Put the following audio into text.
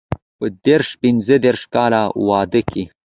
په دیرش پنځه دېرش کاله واده کې.